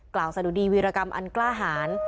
สะดุดีวีรกรรมอันกล้าหาร